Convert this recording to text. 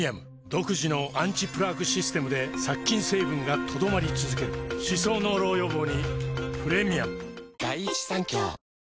独自のアンチプラークシステムで殺菌成分が留まり続ける歯槽膿漏予防にプレミアム